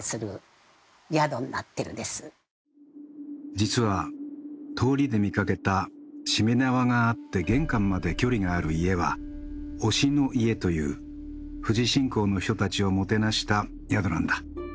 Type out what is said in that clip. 実は通りで見かけたしめ縄があって玄関まで距離がある家は御師の家という富士信仰の人たちをもてなした宿なんだ。